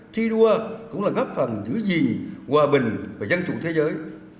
thi đua cũng là góp phần giữ gìn hòa bình và dân chủ thế giới